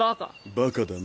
バカだな。